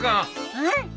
うん！？